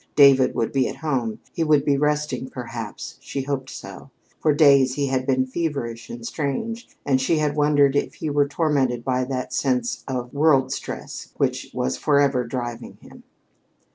David would be at home. He would be resting, perhaps, she hoped so. For days he had been feverish and strange, and she had wondered if he were tormented by that sense of world stress which was forever driving him.